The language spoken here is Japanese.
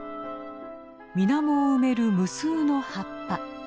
水面を埋める無数の葉っぱ。